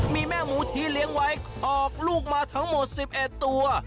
มีแม่หมูที่เลี้ยงไว้ออกลูกมาทั้งหมด๑๑ตัว